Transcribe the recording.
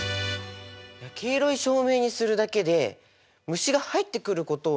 黄色い照明にするだけで虫が入ってくることをね